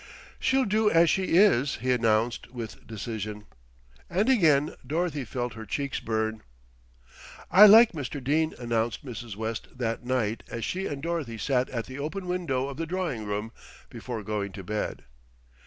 "She'll do as she is," he announced with decision And again Dorothy felt her cheeks burn. "I like Mr. Dene," announced Mrs. West that night as she and Dorothy sat at the open window of the drawing room before going to bed.